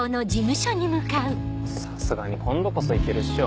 さすがに今度こそいけるっしょ。